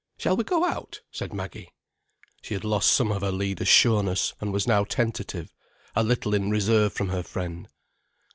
"Shall we go out?" said Maggie. She had lost some of her leader's sureness, and was now tentative, a little in reserve from her friend.